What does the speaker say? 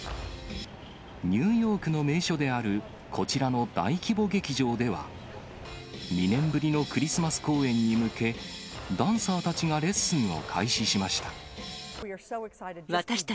ニューヨークの名所である、こちらの大規模劇場では、２年ぶりのクリスマス公演に向け、ダンサーたちがレッスンを開始しました。